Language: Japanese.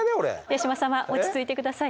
八嶋様落ち着いて下さい。